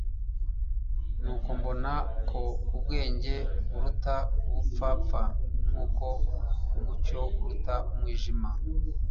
nuko mbona ko ubwenge buruta ubupfapfa nk'uko umucyo uruta umwijima